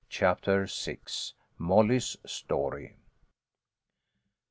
CHAPTER VL MOLLY'S STORY.